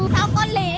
sao con lý nhỉ